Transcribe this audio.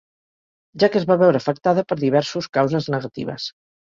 Ja que es va veure afectada per diversos causes negatives.